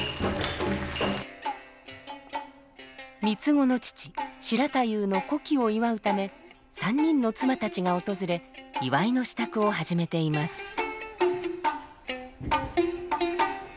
三つ子の父白太夫の古希を祝うため３人の妻たちが訪れ祝いの支度を始めています。